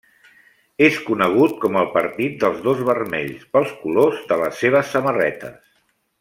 És conegut com el partit dels dos vermells, pels colors de les seves samarretes.